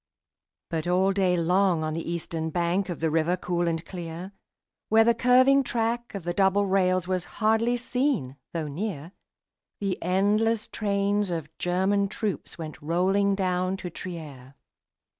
But all day long on the eastern bank Of the river cool and clear, Where the curving track of the double rails Was hardly seen though near, The endless trains of German troops Went rolling down to Trier.